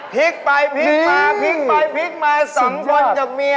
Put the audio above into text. พิกไปพิกมาพิกไปพิกมา๒คนกับเมีย